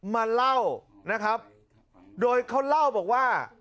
มาเล่านะครับโดยเขาเล่าบอกว่า